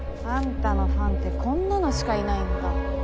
あんたのファンってこんなのしかいないんだ。